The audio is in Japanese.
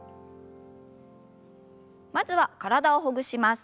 まずは体をほぐします。